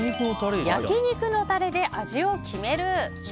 焼き肉のタレで味を決める！